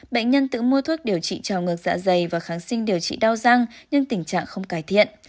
bệnh nhân tự mua thuốc điều trị trào ngược dạ dày và kháng sinh điều trị đau răng nhưng tình trạng không cải thiện